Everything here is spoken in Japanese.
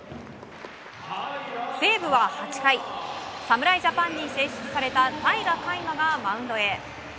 西武は８回侍ジャパンに選出された平良海馬がマウンドへ。